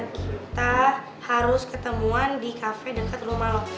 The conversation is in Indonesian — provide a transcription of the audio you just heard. kita harus ketemuan di cafe dekat rumah lo